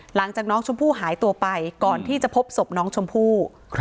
หลังจากน้องชมพู่หายตัวไปก่อนที่จะพบศพน้องชมพู่